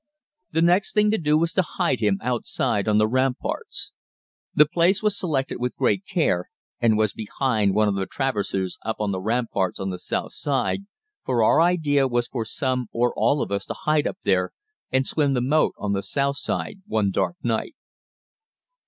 The next thing to do was to hide him outside on the ramparts. The place was selected with great care, and was behind one of the traverses up on the ramparts on the south side, for our idea was for some or all of us to hide up there and swim the moat on the south side one dark night.